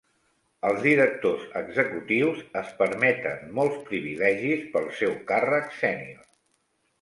Els directors executius es permeten molts privilegis pel seu càrrec sènior.